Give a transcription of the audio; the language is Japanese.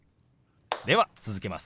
では続けます。